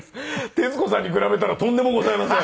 徹子さんに比べたらとんでもございません。